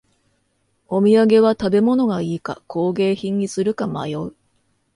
お土産は食べ物がいいか工芸品にするか迷う